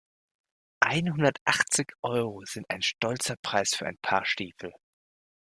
Einhundertachtzig Euro sind ein stolzer Preis für ein Paar Stiefel.